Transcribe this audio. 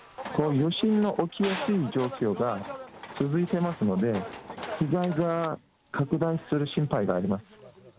余震の起きやすい状況が続いてますので、被害が拡大する心配があります。